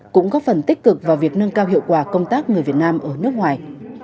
cũng góp phần tích cực vào việc nâng cao hiệu quả công tác người việt nam ở nước ngoài